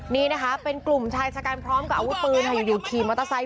นี่นะคะเป็นกลุ่มชายชะกันพร้อมกับอาวุธปืนค่ะอยู่ขี่มอเตอร์ไซค